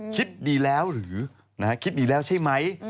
คิดดีแล้วหรือคิดดีแล้วใช่ไหม